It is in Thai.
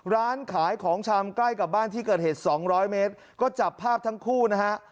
ร้านขายของชำใกล้กับบ้านที่เกิดเหตุสองร้อยเมตรก็จับภาพทั้งคู่นะฮะ